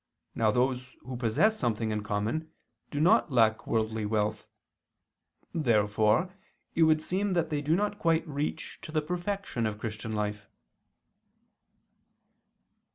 Now those who possess something in common do not lack worldly wealth. Therefore it would seem that they do not quite reach to the perfection of Christian life.